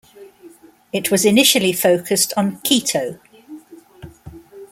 It was initially focused on Quito.